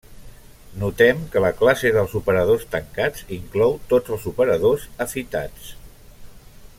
Notem que la classe dels operadors tancats inclou tots els operadors afitats.